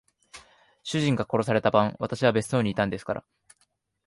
主人が殺された晩、私は別荘にいたんですから。